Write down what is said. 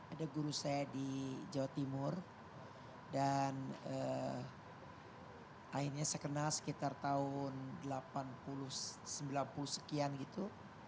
ada guru saya di jawa timur dan akhirnya saya kenal sekitar tahun delapan puluh sembilan puluh sekian gitu